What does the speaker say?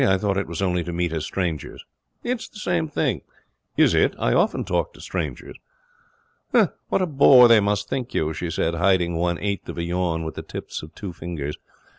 I thought it was only to meet as strangers.' 'It's the same thing.' 'Is it? I often talk to strangers.' 'What a bore they must think you!' she said, hiding one eighth of a yawn with the tips of two fingers.